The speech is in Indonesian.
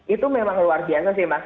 itu memang luar biasa sih mas